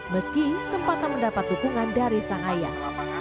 meski sempat tak mendapat dukungan dari sang ayah